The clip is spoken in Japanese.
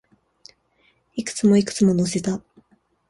いくつも、いくつも乗せた